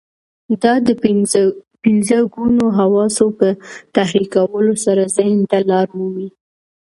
دا د پنځه ګونو حواسو په تحريکولو سره ذهن ته لار مومي.